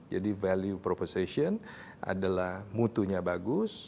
jadi value proposition adalah mutunya bagus